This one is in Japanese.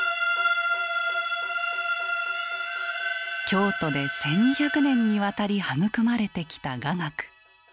京都で１，２００年にわたり育まれてきた雅楽。